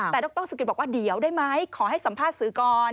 แต่ดรสุกิตบอกว่าเดี๋ยวได้ไหมขอให้สัมภาษณ์สื่อก่อน